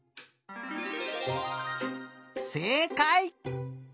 せいかい！